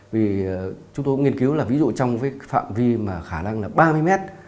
vì chúng tôi cũng nghiên cứu là ví dụ trong cái phạm vi mà khả năng là ba mươi mét